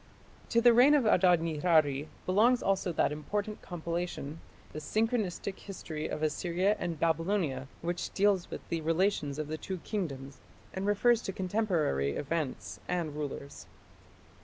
To the reign of Adad nirari belongs also that important compilation the "Synchronistic History of Assyria and Babylonia", which deals with the relations of the two kingdoms and refers to contemporary events and rulers.